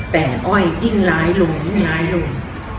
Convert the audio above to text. แต่อ้อยยิ่งร้ายลงยิ่งร้ายลง